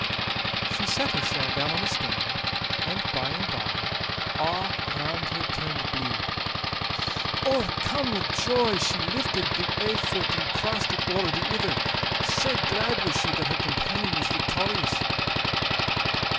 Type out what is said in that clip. She set hersel' down on the stane, and by and by a' round her turned blue. O'ercome wi' joy, she lifted the ae fit and crossed it owre the ither, sae glad was she that her companion was victorious.